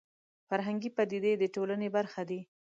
فرهنګي پدیدې د ټولنې برخه دي